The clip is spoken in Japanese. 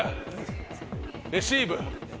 レシーブ。